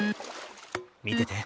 見てて。